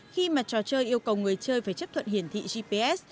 khi mà trò chơi yêu cầu người chơi phải chấp thuận hiển thị gps